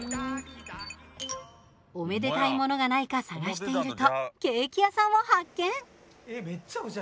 おめでたいものがないか探しているとケーキ屋さんを発見。